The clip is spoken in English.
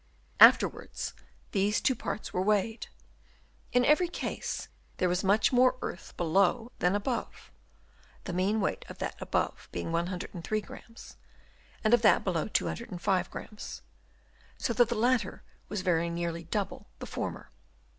Afterwards these two parts were weighed. In every case there was much more earth below than above ; the mean weight of that above being 103 grains, and of that below 205 grains ; so that the latter was very nearly double the former.